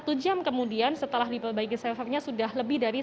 kemudian satu jam kemudian setelah diperbaiki servernya sudah lebih dari satu jam